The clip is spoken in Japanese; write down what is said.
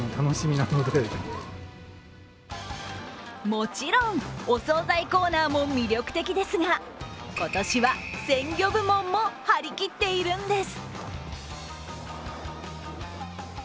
もちろん、お惣菜コーナーも魅力的ですが、今年は鮮魚部門も張り切っているんです。